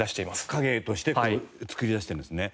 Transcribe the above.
影として作り出してるんですね。